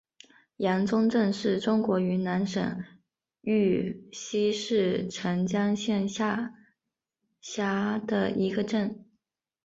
阳宗镇是中国云南省玉溪市澄江县下辖的一个镇。